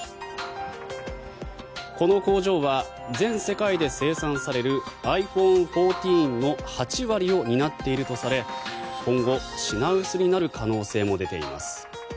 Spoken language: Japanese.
この工場は全世界で生産されるｉＰｈｏｎｅ１４の８割を担っているとされ今後、品薄になる可能性も出ています。